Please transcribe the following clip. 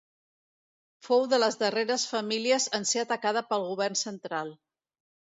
Fou de les darreres famílies en ser atacada pel govern central.